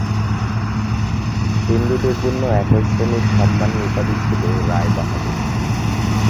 হিন্দুদের জন্য একই শ্রেণীর সম্মানী-উপাধী ছিলো রায় বাহাদুর।